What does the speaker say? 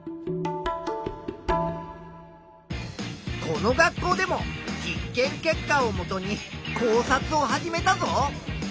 この学校でも実験結果をもとに考察を始めたぞ。